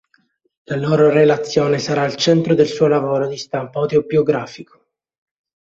La loro relazione sarà al centro del suo lavoro di stampo autobiografico.